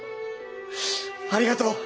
ありがとう！